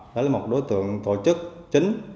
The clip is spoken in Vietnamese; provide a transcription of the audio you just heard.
đó là một đối tượng tổ chức chính